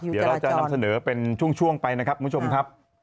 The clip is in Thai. เดี๋ยวเราจะนำเสนอเป็นช่วงไปนะครับคุณผู้ชมครับ